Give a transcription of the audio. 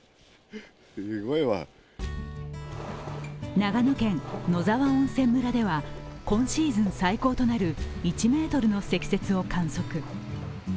長野県野沢温泉村では今シーズン最高となる１ｍの積雪を観測。